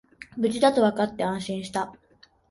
無事だとわかって安心した